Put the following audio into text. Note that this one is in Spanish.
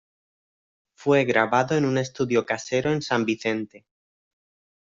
Fue grabado en un estudio casero en San Vicente.